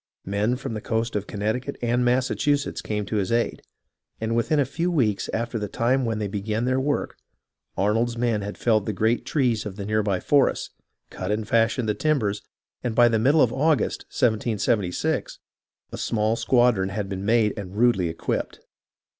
Men from the coast of Connect icut and Massachusetts came to his aid, and within a few weeks after the time when they began their work, Arnold's men had felled the great trees of the near by forests, cut and fashioned the timbers, and by the middle of August, 1776, a small squadron had been made and rudely equipped.